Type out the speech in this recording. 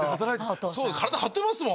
体張ってますもん！